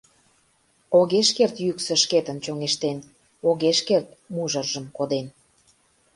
Огеш керт йӱксӧ шкетын чоҥештен, Огеш керт мужыржым коден!